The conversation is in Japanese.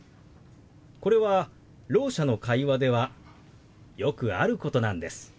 これはろう者の会話ではよくあることなんです。